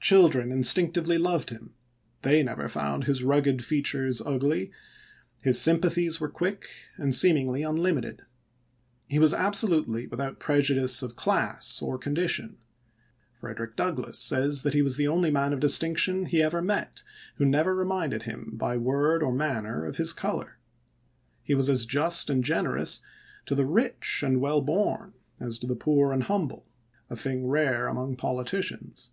Children instinctively loved him; they never found his rugged features ugly; his sympathies were quick and seemingly unlimited. He was absolutely without prejudice of class or con dition. Frederick Douglass says he was the only man of distinction he ever met who never reminded him by word or manner of his color ; he was as just and generous to the rich and well born as to the poor and humble — a thing rare among politicians.